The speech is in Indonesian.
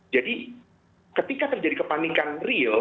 jadi ketika terjadi kepanikan real